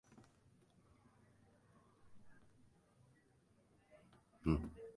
Alles wat op dizze wrâld bestiet, is neat mear as in dream.